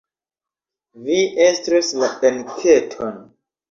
Vi estros la enketon.